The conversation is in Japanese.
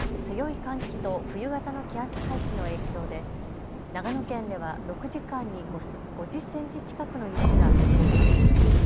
強い寒気と冬型の気圧配置の影響で長野県では６時間に５０センチ近くの雪が降っています。